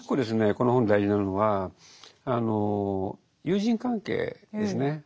この本で大事なのは友人関係ですね。